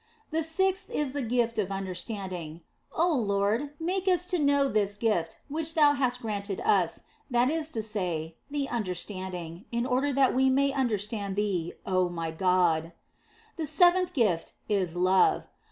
"The sixth is the gift of understanding. Oh Lord, make us to know this gift which Thou hast granted us, that is to say, the understanding, in order that we may understand Thee, oh my God. " The seventh gift is love.